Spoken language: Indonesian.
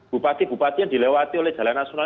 bupati bupati yang dilewati oleh jalan nasional